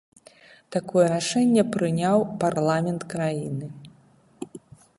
Такое рашэнне прыняў парламент краіны.